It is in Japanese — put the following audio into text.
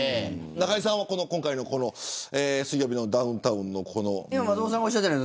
中居さんは今回の水曜日のダウンタウンのこのニュース。